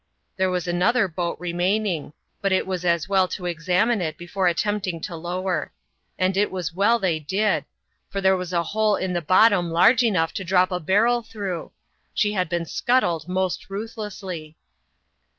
There was another boat remaining ; but it Was as well to examine it before attempting to lower. And it was well they did ; for there was a hole in the bottom large enough to drop a barrel through : she had been scuttled most ruthlessly.